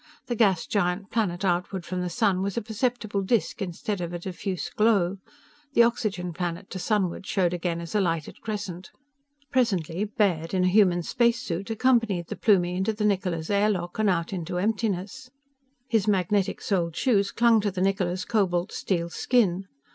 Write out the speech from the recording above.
The gas giant planet outward from the sun was a perceptible disk instead of a diffuse glow. The oxygen planet to sunward showed again as a lighted crescent. Presently Baird, in a human spacesuit, accompanied the Plumie into the Niccola's air lock and out to emptiness. His magnetic soled shoes clung to the Niccola's cobalt steel skin.